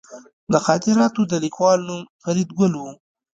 د خاطراتو د لیکوال نوم فریدګل و